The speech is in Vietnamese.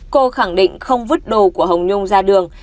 cô khẳng định không vứt đồ của hồng nhung ra đường